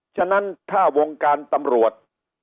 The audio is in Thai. ฉะนั้นถ้าวงการตำรวจ